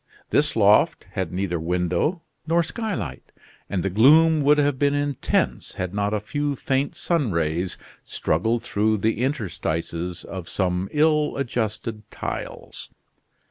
This loft had neither window nor skylight, and the gloom would have been intense, had not a few faint sun rays struggled through the interstices of some ill adjusted tiles.